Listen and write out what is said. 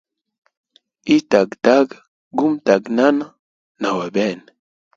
Itagataga gumutaganana na wa bene.